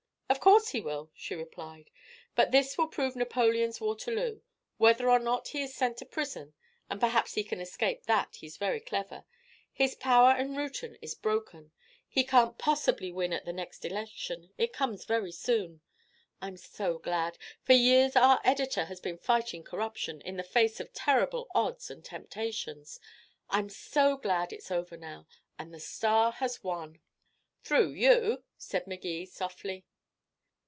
"Of course he will," she replied. "But this will prove Napoleon's Waterloo. Whether or not he is sent to prison and perhaps he can escape that, he's very clever his power in Reuton is broken. He can't possibly win at the next election it comes very soon. I'm so glad. For years our editor has been fighting corruption, in the face of terrible odds and temptations. I'm so glad it's over now and the Star has won." "Through you," said Magee softly.